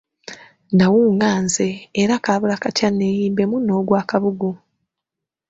Nnawunga nze era kaabula katya neeyimbemu n'ogwa kabugu!